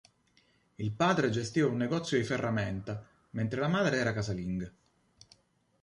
Il padre gestiva un negozio di ferramenta, mentre la madre era casalinga.